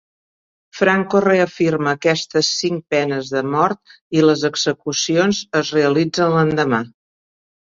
Franco reafirma aquestes cinc penes de mort i les execucions es realitzen l'endemà.